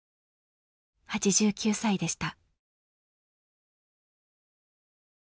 ８９歳でした。